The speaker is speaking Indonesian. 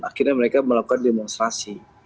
akhirnya mereka melakukan demonstrasi